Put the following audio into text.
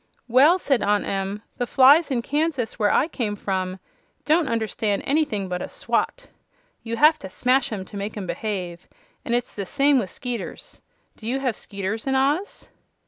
"Well," said Aunt Em, "the flies in Kansas, where I came from, don't understand anything but a swat. You have to smash 'em to make 'em behave; and it's the same way with 'skeeters. Do you have 'skeeters in Oz?"